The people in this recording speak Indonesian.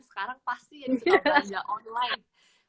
sekarang pasti jadi suka belanja online